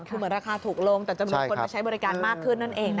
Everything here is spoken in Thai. คือเหมือนราคาถูกลงแต่จะมีคนมาใช้บริการมากขึ้นนั่นเอง